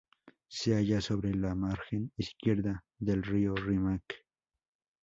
Se halla sobre la margen izquierda del río Rímac.